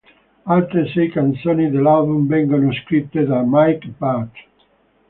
Altre sei canzoni dell'album vengono scritte da Mike Batt.